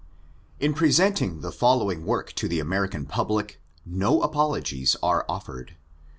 •••' In presentiiig the following work to the American public, no apologies are ofiered.